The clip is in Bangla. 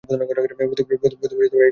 প্রতিবছর এই ঘরের সংস্কার করব।